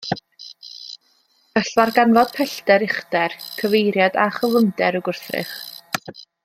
Gall ddarganfod pellter, uchder, cyfeiriad a chyflymder y gwrthrych.